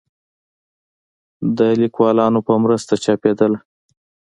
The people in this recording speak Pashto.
د ليکوالانو په مرسته چاپېدله